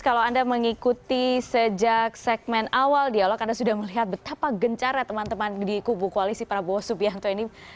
kalau anda mengikuti sejak segmen awal dialog anda sudah melihat betapa gencar ya teman teman di kubu koalisi prabowo subianto ini